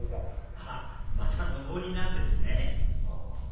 あっまた上りなんですね